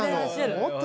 もっと。